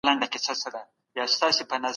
په مابينځ کي یو لوی او شنه باغ جوړېږي.